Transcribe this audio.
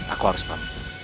aku harus pergi